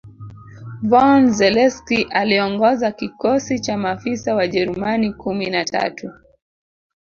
von Zelewski aliongoza kikosi cha maafisa Wajerumani kumi na tatu